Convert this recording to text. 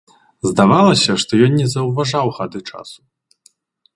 Здавалася, што ён не заўважаў хады часу.